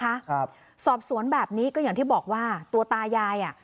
ครับสอบสวนแบบนี้ก็อย่างที่บอกว่าตัวตายายอ่ะ